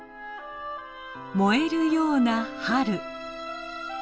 もえるような春。